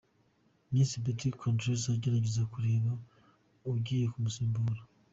Miss Betty Cantrell ategereje kureba ugiye kumusimbura.